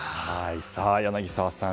柳澤さん